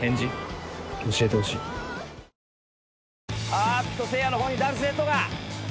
あっとせいやの方に男子生徒が。